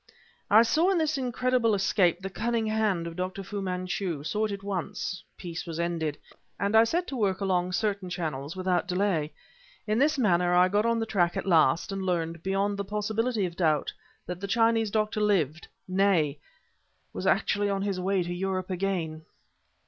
"I saw in this incredible escape the cunning hand of Dr. Fu Manchu saw it at once. Peace was ended; and I set to work along certain channels without delay. In this manner I got on the track at last, and learned, beyond the possibility of doubt, that the Chinese doctor lived nay! was actually on his way to Europe again!"